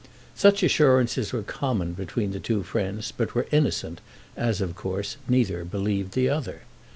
Such assurances were common between the two friends, but were innocent, as, of course, neither believed the other.